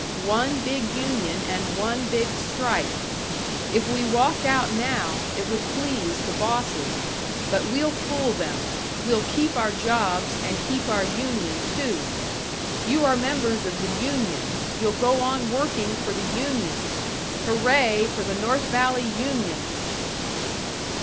One big union and one big strike! If we walked out now, it would please the bosses; but we'll fool them we'll keep our jobs, and keep our union too! You are members of the union, you'll go on working for the union! Hooray for the North Valley union!"